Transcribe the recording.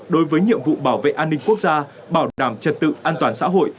đối với nhiệm vụ bảo vệ an ninh quốc gia bảo đảm trật tự an toàn xã hội